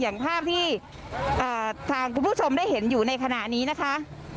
อย่างภาพที่ทางคุณผู้ชมได้เห็นอยู่ในขณะนี้นะคะ